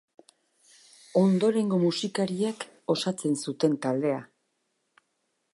Ondorengo musikariek osatzen zuten taldea.